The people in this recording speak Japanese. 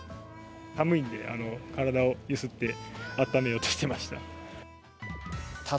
寒いので体を揺すって温めようとしてました。